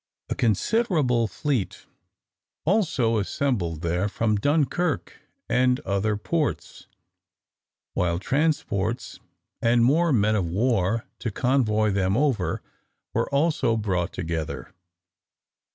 A considerable fleet also assembled there from Dunkirk and other ports, while transports, and more men of war to convoy them over, were also brought together.